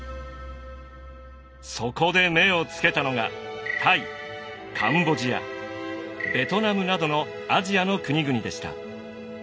そこで目をつけたのがタイカンボジアベトナムなどのアジアの国々でした。